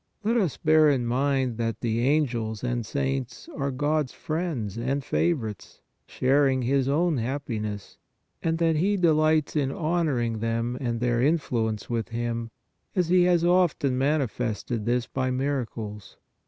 Let us bear in mind that the angels and saints are God s friends and favorites, sharing His own hap piness, and that He delights in honoring them and their influence with Him, as He has often mani fested this by miracles.